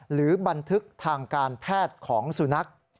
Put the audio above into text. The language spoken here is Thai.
หรือบันทึกทางการแพทย์ของสุนัข